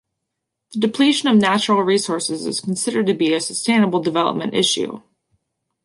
The depletion of natural resources is considered to be a sustainable development issue.